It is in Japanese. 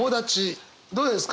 どうですか？